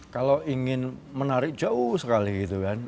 kalau ingin menarik jauh sekali gitu kan